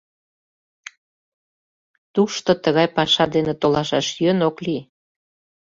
Тушто тыгай паша дене толашаш йӧн ок лий.